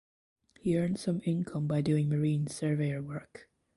He earned some income by doing marine surveyor work.